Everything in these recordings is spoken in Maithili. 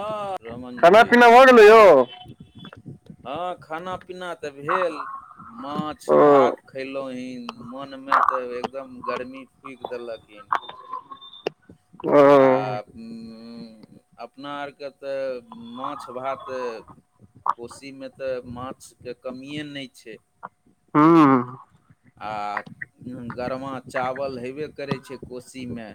अ रमन खाना जी पीना भऽ गेलै यौ हँ खाना पीना तऽ भेल माछ ओ भात खैलौहु हन मन मे ते एकदम गर्मी फूक देलखिन ह [unintelligible] ओ [unintelligible] आ अपना आरके तऽ माछ भात कोशीमे तऽ माछके कमिए नहि छै हूं आ गरमा चावल हेबे करै छै कोशीमे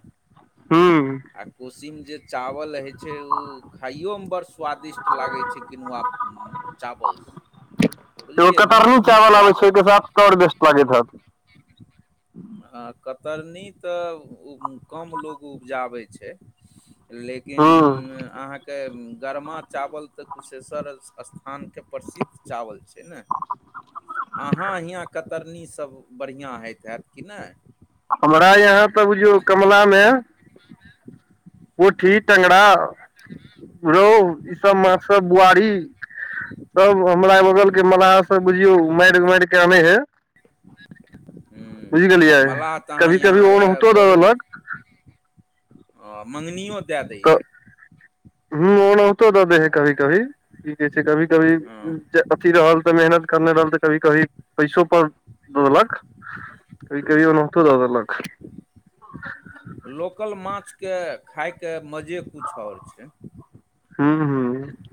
हूँ आ कोशीन जे चावल रहैत छै ओ खाइयोमे बड़ स्वादिष्ट लागैत छै किनुआ चावलस एगो कतरनी चावल आबै छै लागल ओहिके साथ तऽ आओर वेस्ट लागैत हत हँ कतरनी तऽ उ कम लोग उपजाबै छै लेकिन ह्म अहाँके गरमा चावल तऽ कुशेश्वर अस्थानके प्रसिद्ध चावल छै ने आहाँ हियाँ कतरनीसभ बढ़िआँ होइत हैत कि नहि हमरा यहाँ तऽ बुझियौ आ, कमला मे [inaudible] पोठी टेंगरा रौहु ई सब माछ सब बुआरी सब हमरा बगल हम्म, के मललाह से बुझियौ मैर मैरक के अबै है बुझ गेलियै हम्म, मलाह तऽ अहाँ कभी कभी यहाँ ओ यए होतो दादेलक ह मंगनियो दए दैय हू ओनाहतो दऽ देै है कभी कभी की कहै छै कभी कभी हँ अथी रहल तऽ मेहनत करने रहल तऽ कभी कभी पैसो पर द देलक कि कहियो दऽ देलख लोकल माछके खायके मजे कुछ आओर छै हू हू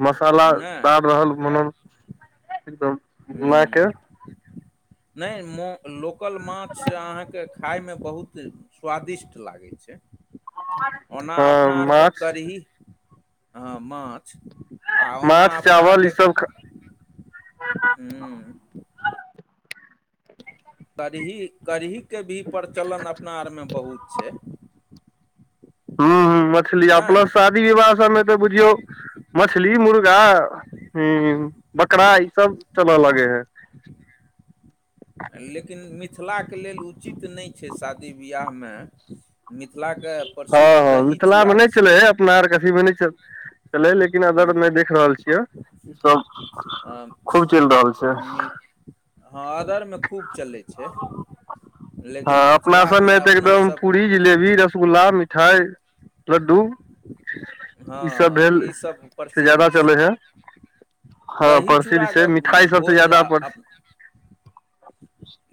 मसाला नहि दार रहल मनो हू नहि म लोकल माछ अहाँके खाइमे बहुत स्वादिष्ट लागै छै ओना हँ अपना आरके माछ करही ह माछ आ ओना माछ अपना चावल ई आरके सब हँ कड़ही कड़ही के भी प्रचलन अपना आरमे बहुत छै हू हूं मछली आ प्लस नहि शादी विवाह सबमे तऽ बुझियौ मछली मुर्गा हुं बकरा ई सब चलऽ लगै है लेकिन मिथिलाके लेल उचित नहि छै शादी बियाहमे मिथिलाके प्रसिद्ध दही चूड़ा छियै कथीै ले [unintelligible] किन हूँ, अदर नहि देख रहल छियै ई सब अ, खूब चलि रहल छै मि- हँ अदरमे खूब चलै छै हँ लेकिन अपना मिथिलामे सबमे तऽ अपना एकदम सबके पूड़ी जिलेबी रसगुल्ला मि ठाइ लड्डू ई सब हँ भेल ईसभ से प्रसिद्ध ज्यादा चलै है छै हँ दही प्रसिद्ध छै चूड़ाके मिठाई सबसँ भोज ज्यादा अप प्रसिद्ध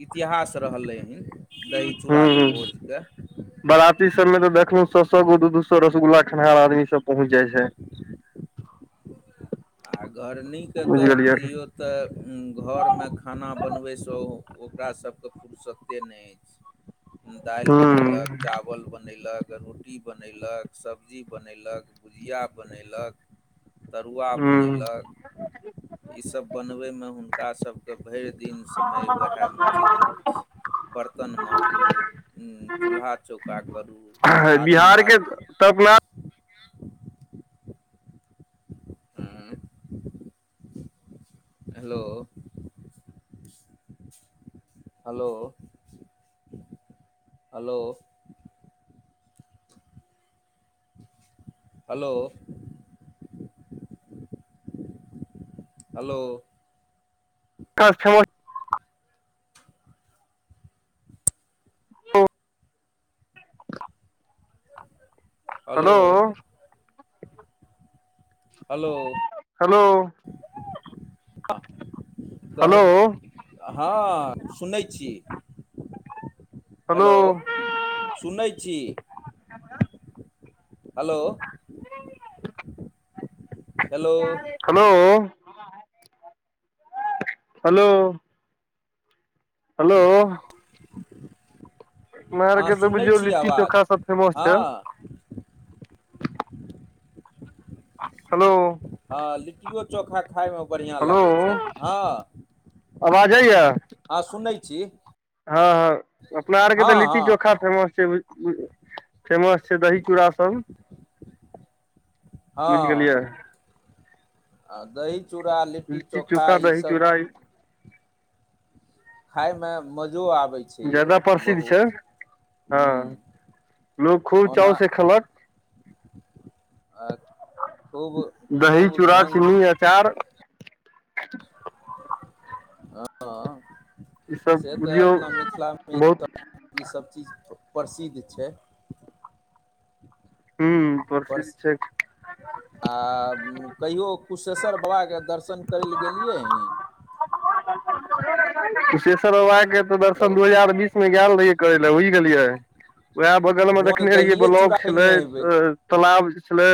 इतिहास रहलै हन दही चूड़ाके हूँ भोजके बराती सब मे तऽ देखलहुं सो सो गो दू दू सो रसगुल्ला खनिनहार आदमी सब पहुँच जाइ छै [inaudible] आ घरनी के बुझि तऽ गेलियै बुझियौ तऽ घर मे खाना बनबैसँ ओकरा सबके फुर्सत्ते नहि दालि हूँ बनेलक चा वल बनैलक रोटी बनैलक सब्जी बनैलक भुजिया बनलिक तरुआ हूँ बनैलक ईसभ बनबैमे हुनकासभ के भरि दिन समय उएह मे चलि जाइ छै बर्तन माजू चूल्हा चौका करू झाड़ू मारू तबना [unintelligible] आँ [unintelligible] hello hello hello hello hello क समस [unintelligible] हेलो हेलो हेलो हेलो कहल हँ सुनै छी हेलो सुनै छी hello hello hello hello hello हमरा आर हँ के तो सुनै बुझियौ छी लिट्टी आवाज चोखा सब फेमस हँ छै हेलो हँ लिट्टिओ चोखा खायमे बढ़िआँ हेलो लागै छै हँ आवाज जाइया हँ सुनै छी हँ ह अपना आर के तऽ लिट्टी हँ हँ चोखा फेमस छै फेमस छै दही चूड़ा सभ हँ दही चूड़ा लिट्टी चोखा ईसब खायमे मजो आबै छै यौ ज्यादा प्रसिद्ध छै बहुत हँ हूं लोग खूब ओना चाव से खेलक आ खूब खूब ढंग चार हँ ई सब से तऽ बुझियौ अपना मिथिलामे इ बहुत ईसभ चीज प्रसिद्ध छै हू पर प्रसिद्ध छै त आ कहियो कुशेश्वर बाबा के दर्शन करे ले गेलियए [unintelligible] कुशेश्वर बाबा के तऽ हेलो दर्शन दू हजार बीस मे गेल रहिये करे ले बुझि गेलियै उएह बगल तऽ मे हुआँ तऽ देखने रहियै दहिए ब्लॉक चूड़ा छलै खयने हेबै तालाब छलै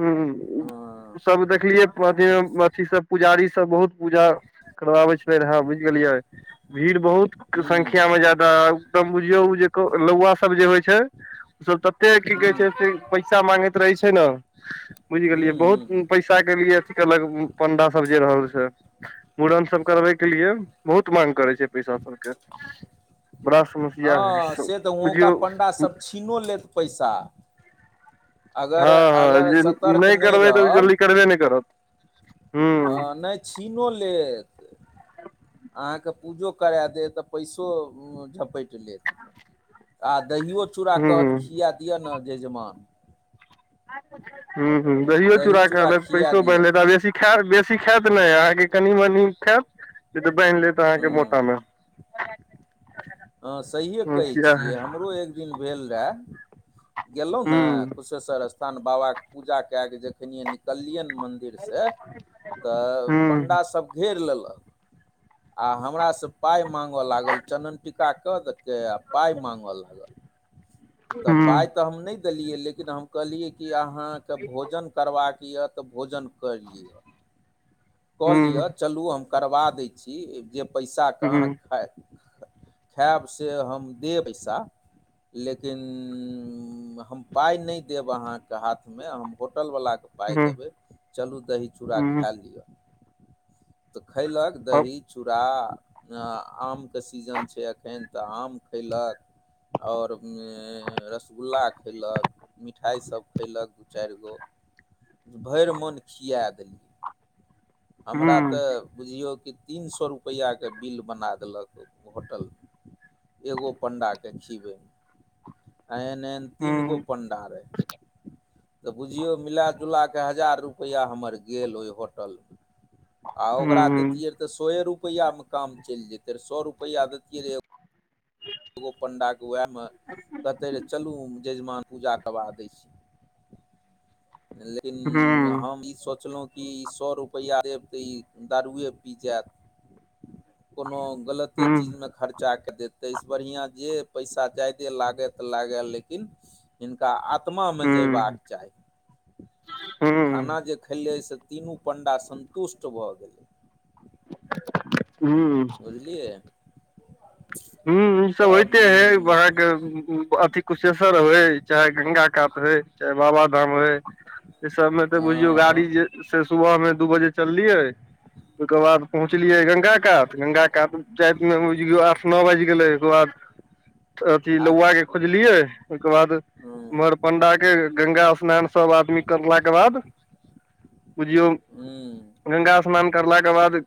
हू हँ सब देखलियै अथी हूँ अथी सब पुजारी सब बहुत पूजा करबाबै छले रहे बुझ गेलियै भीड़ बहुत संख्या में ज्यादा एकदम बुझियौ उ जे लौआ सब जे होइ छै उ सब तऽ एते की हूँ कहे छै पैसा मागैत रहे छै ने बुझ गेलियै हूँ बहुत हूँ पैसा सुरक्षा के लिए अथी कलक पंडा सब जे रहल छै मुड़न सब करबै के लिए बहुत माग करै छै पैसा सबके बड़ा समस्या है हँ से तऽ वहुँका बुझियौ पंडा सब छीनो लेत पैसा हँ अगर हँ अगर जे सतर्क नहि तऽ रहब जल्दी करबै नहि करत हूँ हँ नहि छीनो लेत आहाँ के पूजो करा देत पैसो झपेट लेत आ दहियो चूड़ा हूँ कहत हूँ खिया दियअ न जजमान ह ह दहियो दही चूड़ा खा लेत खिया पैसो दिअ बाहिन लेत आ बेसी बेसी खायत नहि अहाँके कनि मनि खायत नहि तऽ बान्हि लेत अहाँके हूँ मोटामे हँ सहिए कहै समस्या है छियै हमरो एक दिन भेल रहय गेलहुं ने हूं कुशेश्वर स्थान बाबा के पूजा काय क जखन निकलिये मंदिर से तऽ हूं पण्डा सब घैर लेलक आ हमरा से पाय माँगे लागल टीका क दलिक आ पाय मागे लागल तऽ हूं पाय त हम नहि देलियै लेकिन हम कहलियै कि अहाँके भोजन करबाक यऽ तऽ भोजन क लिय हूं चलु हम करवा दहि छी पैसाके हूं हूं अहाँ खायब से हम देब पैसा लेकिन हम पाइ नहि देब अहाँके हाथमे हम होटलवलाके पाइ हूं हूं देबै चलू दही चूड़ा हूं खाए लिअ तऽ खैलक दही चूड़ा आम के सीजन छै अखन तऽ आम खयलक आओर रसगुल्ला खैलक मिठाइसभ खयलक दू चारि गो भरि मोन खिया देलियै हूं हमरा तऽ बुझियौ कि तीन सए रुपैआके बिल बना देलक होटल म एगो पण्डाकेँ खिबै आ एहन एहन तीन हूं गो पण्डा रहय तऽ बुझियौ मिलााजुला कऽ हजार रुपैआ हमर गेल ओहि होटलमे आ हूं ओकरा हूं दैतियै रहए तऽ सौ रुपैआमे काम चलि जैतै रह सौ रुपैआ दैतियै रहए एगो पण्डाके वएहमे कहते रह चलू जजमान पूजा करबा दै छी लेकिन हूं हम ई सोचलहुँ की सौ रुपैया तऽ ई दारुए पी जायत कोनो गलत हूं चीजमे खर्चा काय देत त से बढ़िआँ जे पैसा जा्यदे लागय तऽ लागय लेकिन हिनका आत्मामे जयबाक चाही खाना जे खेलियै से तीनू पण्डा सन्तुष्ट भऽ गेलै हू बुझलियै हू ई सब होइते तब है बके अथ कुशेश्वर होइ चाहे गंगा कात होइ चाहे बाबा धाम होइ ई सब मे तऽ बुझियौ गाड़ी हँ जे से सुबह मे दू बजे चललियै ओके बाद पहुँचलियै गंगा कात गंगा क जयेतमे बुझियो आठ नओ बैज गेल ओहिके बाद अथी आ लौआ के खोजलियै ओके बाद हँ उम्हर पण्डा के गङंगा स्नान सब आदमी करलाक के बाद बुझियौ हू गंगा स्नान करलाके बाद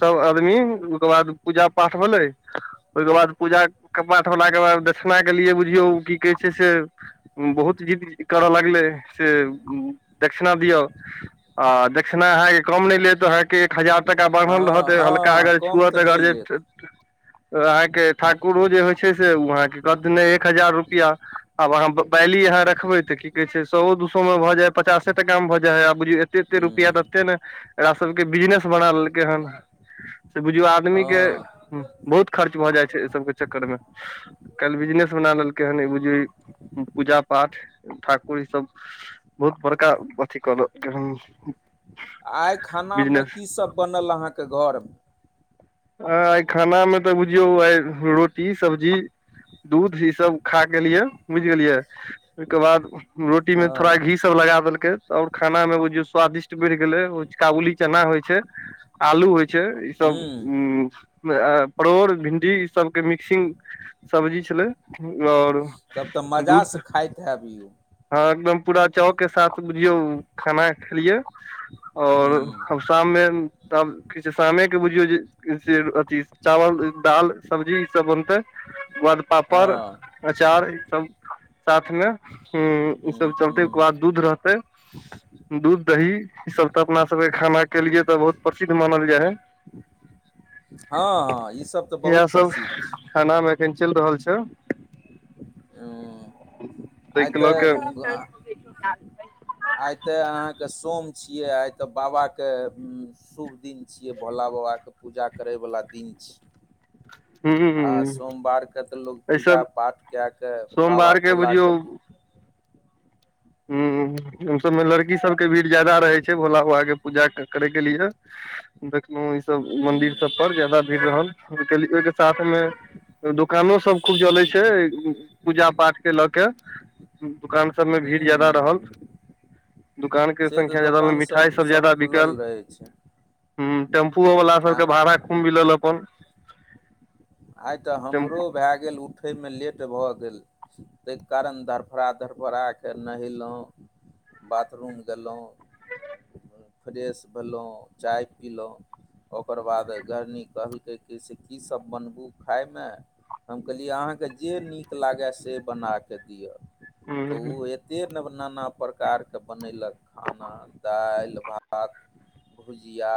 सब आदमी ओकर बाद पूजा पाठ भेलै ओहिके बाद पूजा पाठ होलाके बाद दक्षिणा के लिए बुझियौ की कहै छै से बहुत जिद करऽ लगलै से दक्षिणा दिअ आ दक्षिणा अहाँके कम नहि लेत अह एक हजार टाका बढ़ल रहत हँ हल्का हँ अगर कम छुअत तऽ नहि अगर जे लेत अहाँके ठाकुरो जे होइ छै से ओ अहाँके कहथि नहि एक हजार रुपैआ आब अहाँ बैली अहाँ रखबै तऽ की कहै छै सएओ दू सएमे भ जा ह पचासे टाकामे भऽ जायइ आब बुझियौ एते रुपआ हँ देते ने एकरा सबके बिजनेस बना लेलकै हन से बुझियौ आब आदमी के बहुत खर्च भऽ जाइ छै एहि सबके चक्कर मे आइ काल्हि बिजनेस बना लेलकै हन ई बुझियौ पूजा पाठ ठाकुर ई सभ बहुत बड़का अथी कल आइ खाना मे की सब बनल अहाँके घर आ आइ खानामे तऽ बुझियौ आइ रोटी सब्जी दूध ई सब खा के लिए बुझि गेलिये ओहिके बाद रोटी मे थोड़ा घी हँ सब लगा देलकै और खाना मे जे स्वादिष्ट बढ़ि गेलै काबुली चना होइ छै आलू होइ छै ई सब हुँ परोड़ भिंडी ई सब के मिक्सिंग सब्जी छले आओर दूध खाइइतबियौ हँ एकदम पूरा चाव के साथ बुझियौ खाना खेलियए और हुँ शाम मे तब की छै शामे के बुझियौ जे से अथी चावल दाल सब्जी ई सब बनते ओाद पापड़ हँ अचार ई सब साथ मे ह ई हुँ सब चलते हुँ ओकर बाद दूध रहतै दूध दही ई सब तऽ अपना सबके खाना के लिए तऽ बहुत प्रसिद्ध मानल जाय है [inaudible] हँ हँ ईसभ तऽ इएह बहुत सब प्रसिद्ध छै खाना मे एखन चलि रहल छै आइ ताहिके तऽ लऽ के आइ ते अहाँके सोम छियै आइ ते बाबाक के उ शुभ दिन छियै भोला बाबा के पूजा करे वाला दिन छियै हँ आ सोमवारके तऽ लोकोग पूजा पाठ कए कऽ बाबा सोमवार के बुझियौ भोलाकेँ हू ओ सबमे लड़की सबके भीड़ ज्याददा रहे छै भोला बाबा के पूजा करे के लिए देखलहु ई सब मंदिर हुँ सब पर जादा भीड़ रहल ओहिके साथ मे दोकानो सब खूब जलैत छै पूजा पाठ के लऽ के दोकान सबमे भी हूँ जादा रहल हूँ दुकानके से तऽ संख्या जादा रहल दोकान मिठाइ सब जादाा बिकल खुलल रहै छै ह टेम्पूओ वाला आ सबके भाड़ा खूब मिलल अपन आइ तऽ टेम्पू हमरो भए गेल उठैमे लेट भऽ गेल ताहि कारण धरफड़ धरफड़ाके नहेलहुँ बाथरूम गेलयहुँ फ्रेश भेलहुँ चाय पीलहुँ ओकर बाद गर्नी कहलकै कि से की सब बनब ओ खायमे हम कहलियै अहाँके जे नीक लागै से बनाकऽ दिअ तऽ हूँ ओ एक ते नव नाना प्रकार के बनेलक खाना दालि भात भुजिया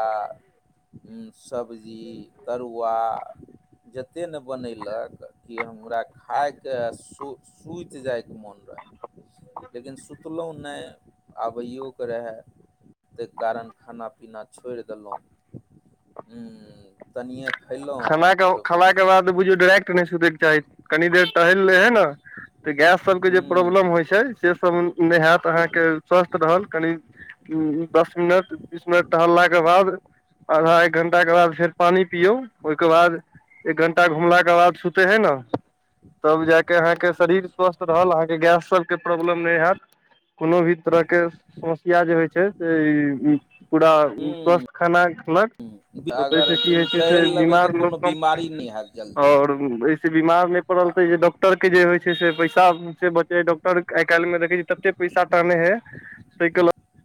सब्जी तरुआ जतेक ने बनेलक कि हमरा खायके सो सुति जाइके मोन रहै लेकिन सु सुनलहुँ नहि आबैयो के रहै ताहि कारण खाना पीना छोड़ि देलहुँ तनिए खयलहुँ आओर आबि आइ हूँ क बुझौ डायरेक्ट नहि सु कनी देर टहल रहे है ने तऽ गैस सब के जे प्रॉब्लम होइ छै से सब नहि होत अहाँके स्वस्थ रहल कनि उ दस मिनट बीस मिनट टहललाके बाद आधा एक घंटा के बाद फेर पानि पिययौ ओहिके बाद एक घण्टा घुमलाके बाद सुते है न तब जा कऽ अहाँके शरीर स्वस्थ रहल अहाँके गैस सभके प्रॉब्लम नहि हएैत कोनो भी तरहके समस्या जे होइ छै से ई पूरा स्वस्थ खाना खेलक तऽ ताहिसँ अगर की होइत छै से टहलि लेबै तऽ बीमार लोक कोनो कम पड़ैत बीमारी नहि हैत छै जल्दी आओर एहिसे बीमार नहि पड़लत जे डॉक्टर के जे होइ छै से पैसा से बचै आइ काल्हि मे देखे छी तते पैसा टाहने हैय ताहि के ल